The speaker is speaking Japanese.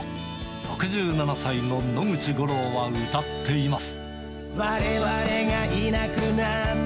６７歳の野口五郎は歌っています。